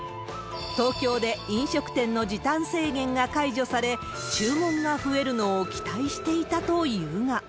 東京で飲食店の時短制限が解除され、注文が増えるのを期待していたというが。